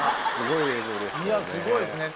いやすごいっすね